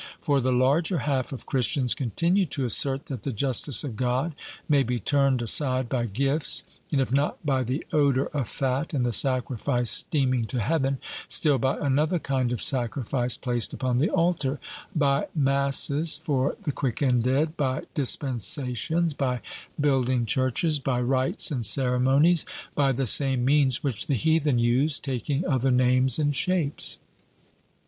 For the larger half of Christians continue to assert that the justice of God may be turned aside by gifts, and, if not by the 'odour of fat, and the sacrifice steaming to heaven,' still by another kind of sacrifice placed upon the altar by masses for the quick and dead, by dispensations, by building churches, by rites and ceremonies by the same means which the heathen used, taking other names and shapes.